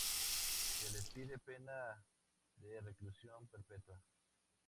Se les pide pena de reclusión perpetua.